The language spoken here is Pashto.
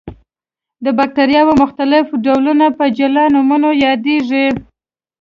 د باکتریاوو مختلف ډولونه په جلا نومونو یادیږي.